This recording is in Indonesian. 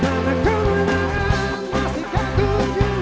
terlalu lama dipenjam